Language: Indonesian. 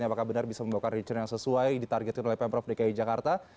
apakah benar bisa membawakan return yang sesuai ditargetkan oleh pemprov dki jakarta